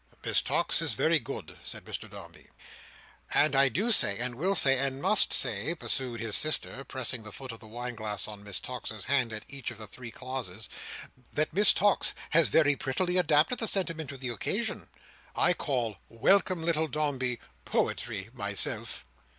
"Miss Tox is very good," said Mr Dombey. "And I do say, and will say, and must say," pursued his sister, pressing the foot of the wine glass on Miss Tox's hand, at each of the three clauses, "that Miss Tox has very prettily adapted the sentiment to the occasion. I call 'Welcome little Dombey' Poetry, myself!"